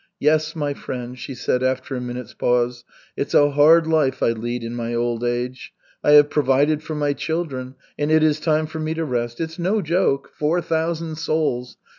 "Yes, my friend," she said after a minute's pause, "it's a hard life I lead in my old age. I have provided for my children, and it is time for me to rest. It's no joke four thousand souls!